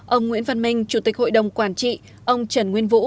ông nguyễn văn minh chủ tịch hội đồng quản trị ông trần nguyên vũ